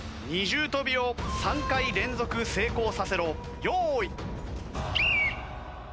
二重跳びを３回連続成功させろ。用意。